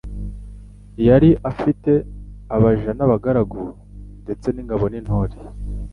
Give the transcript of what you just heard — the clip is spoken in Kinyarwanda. yari afite abaja n' abagaragu ndetse n' ingabo n'intore ;